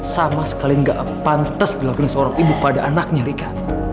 sama sekali tidak pantas dilakukan seorang ibu pada anaknya rika